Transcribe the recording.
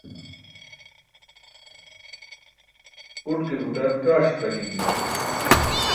Uṭ ke buṭar kaa ṣiqa gim juwan.